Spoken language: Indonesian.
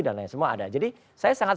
dan lain semua ada jadi saya sangat